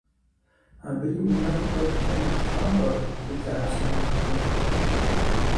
Абы и унэр куэдкӀэ нэхъ лъапӀэт ди лъапсэм нэхърэ.